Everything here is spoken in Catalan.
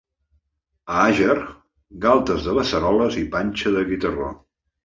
A Àger, galtes de beceroles i panxa de guitarró.